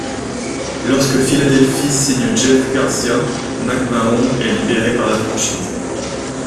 Lorsque Philadelphie signe Jeff Garcia, McMahon est libéré par la franchise.